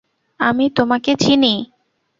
আমি তোমাকে চিনি।